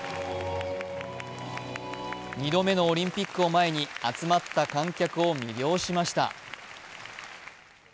２度目のオリンピックを前に集まった観客を魅了しました。